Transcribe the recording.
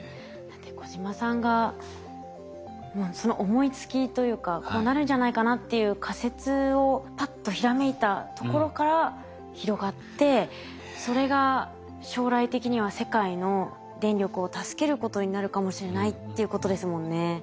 だって小島さんがその思いつきというかこうなるんじゃないかなっていう仮説をパッとひらめいたところから広がってそれが将来的には世界の電力を助けることになるかもしれないっていうことですもんね。